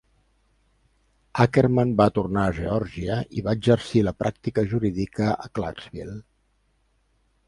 Akerman va tornar a Geòrgia i va exercir la pràctica jurídica a Clarksville.